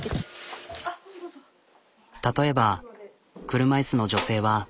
例えば車椅子の女性は。